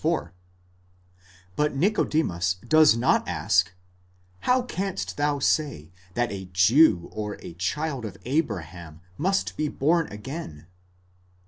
4.8 But Nicodemus does not ask, How canst thou say that a Jew, or a child of Abraham, must be born again?